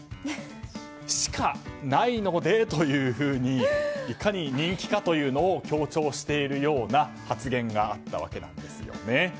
しかないので、というふうにいかに人気かというのを強調しているような発言があったわけなんですよね。